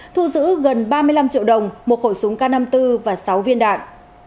thu giữ gần ba mươi năm triệu đồng một khẩu súng k năm mươi bốn và sáu viên đạn